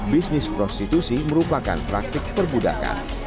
bisnis prostitusi merupakan praktik perbudakan